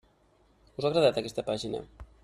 Us ha agradat aquesta pàgina?